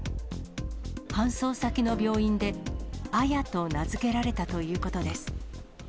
搬送先の病院で、アヤと名付けられたということです。